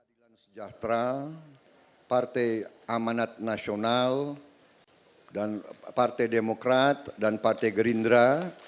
keadilan sejahtera partai amanat nasional dan partai demokrat dan partai gerindra